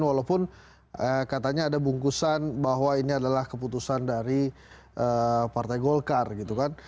walaupun katanya ada bungkusan bahwa ini adalah keputusan dari partai golkar gitu kan